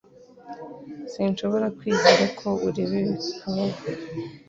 Sinshobora kwizera ko ureka ibi bikabaho